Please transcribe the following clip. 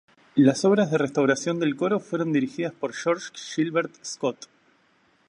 Las obras de restauración del coro fueron dirigidas por George Gilbert Scott.